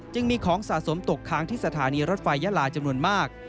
จึงมีของสะสมตกค้างที่สถานีรถไฟยาลาจำนวนมาก